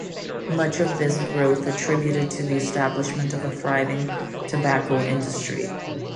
Much of this growth attributed to the establishment of a thriving tobacco industry.